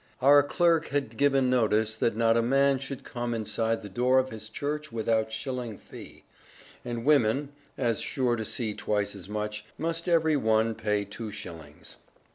Our clerk had given notice that not a man should come inside the door of his church without shilling fee, and women (as sure to see twice as much) must every one pay two shillings.